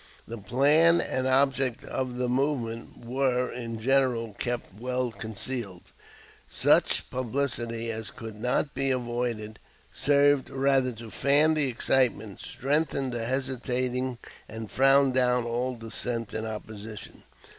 The plan and object of the movement were in general kept well concealed. Such publicity as could not be avoided served rather to fan the excitement, strengthen the hesitating, and frown down all dissent and opposition.